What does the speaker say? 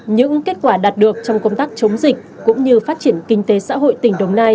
những kết quả đạt được trong công tác chống dịch cũng như phát triển kinh tế xã hội tỉnh đồng nai